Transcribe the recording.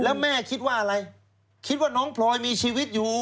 แล้วแม่คิดว่าอะไรคิดว่าน้องพลอยมีชีวิตอยู่